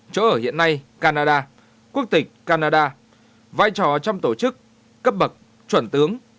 chỗ ở hiện nay canada quốc tịch canada vai trò trong tổ chức cấp bậc chuẩn tướng